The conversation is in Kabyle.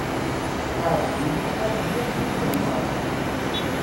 Iεǧeb-yi lḥal mliḥ imi xedmeɣ akka.